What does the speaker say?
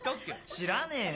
知らねえよ。